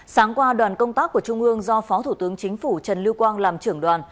sáng qua đoàn công tác của trung ương do phó thủ tướng chính phủ trần lưu quang làm trưởng đoàn